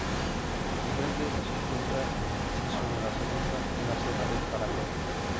Enfrente se encuentra el macizo de la Serrota, y la Sierra de la Paramera.